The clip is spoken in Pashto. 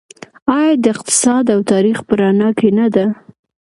آیا د اقتصاد او تاریخ په رڼا کې نه ده؟